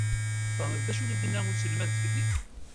Tfehmeḍ d acu i d-inna uselmad zgelli?